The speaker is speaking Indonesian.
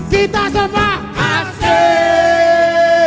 kita semua asik